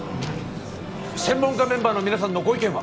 専門家メンバーの皆さんのご意見は？